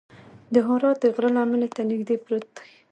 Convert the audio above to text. د حرا د غره لمنې ته نږدې پروت دی.